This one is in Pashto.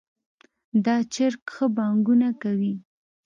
دا چرګ ښه بانګونه کوي